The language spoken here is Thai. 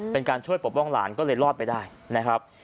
เป็นการช่วยปกป้องหลานก็เลยรอดไปได้นะครับ